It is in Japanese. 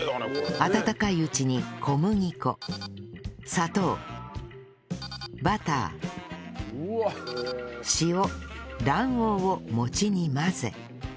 温かいうちに小麦粉砂糖バター塩卵黄を餅に混ぜ